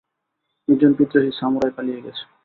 একজন বিদ্রোহী সামুরাই পালিয়ে গেছে!